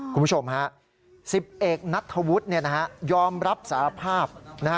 คุณผู้ชมฮะ๑๐เอกนัทธวุฒิยอมรับสารภาพ